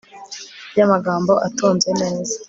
ry'amagambo atonze neza